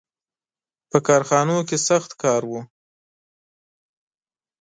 • په کارخانو کې سخت کار و.